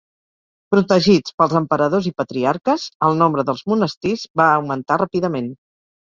Protegits pels emperadors i patriarques, el nombre dels monestirs va augmentar ràpidament.